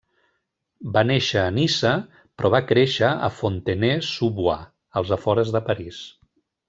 Va néixer a Niça però va créixer a Fontenay-sous-Bois, als afores de París.